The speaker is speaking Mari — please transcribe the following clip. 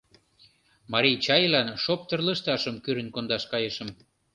Марий чайлан шоптыр лышташым кӱрын кондаш кайышым.